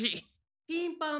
ピンポン！